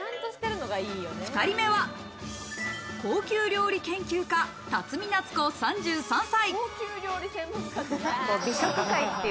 ２人目は、高級料理研究家・辰巳奈都子、３３歳。